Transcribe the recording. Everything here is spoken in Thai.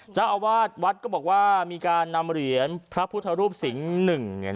เจ้าอาวาสวัดก็บอกว่ามีการนำเหรียญพระพุทธรูปสิงห์หนึ่งเนี่ย